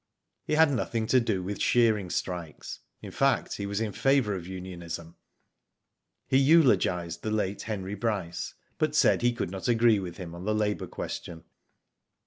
He had nothing to do with shearing strikes ; in fact, he was in favour of unionism. He eulogised the late Henry Bryce, but said he could not agree with him on the labour question.